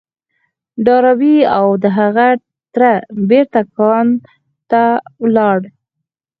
ډاربي او د هغه تره بېرته کان ته ولاړل.